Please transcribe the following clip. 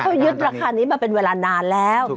เขายึดราคานี้มาเป็นเวลานานแล้ว